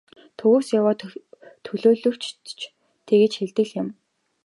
Төвөөс яваа төлөөлөгчид ч тэгж хэлдэг л юм.